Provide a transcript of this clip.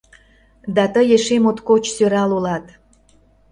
Да тый эше моткоч сӧрал улат.